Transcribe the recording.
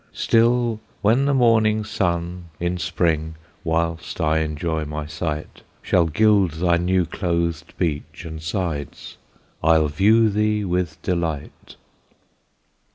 Still when the morning Sun in Spring, Whilst I enjoy my sight, Shall gild thy new clothed Beech and sides, I'll view thee with delight.